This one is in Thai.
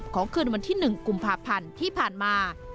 คืนวันที่๑กุมภาพันธ์ที่ผ่านมา